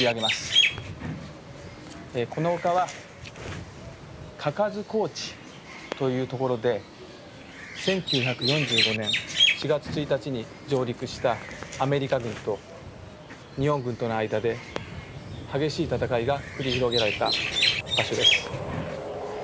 この丘は嘉数高地という所で１９４５年４月１日に上陸したアメリカ軍と日本軍との間で激しい戦いが繰り広げられた場所です。